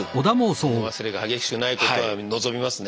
物忘れが激しくないことは望みますね